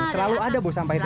selalu ada bu sampah itu